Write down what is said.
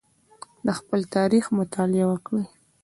د خپل تاریخ مطالعه وکړئ.